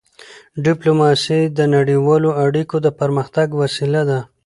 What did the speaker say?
ډیپلوماسي د نړیوالو اړیکو د پرمختګ وسیله ده.